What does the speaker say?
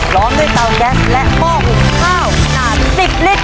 พร้อมด้วยเตาแก๊สและหม้อหุงข้าวขนาด๑๐ลิตร